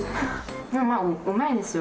でも、うまいですよ。